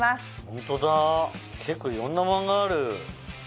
ホントだ結構いろんなマンガある。